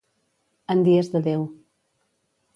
En dies de Déu.